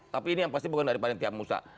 tapi ini yang pasti bukan dari panitia musa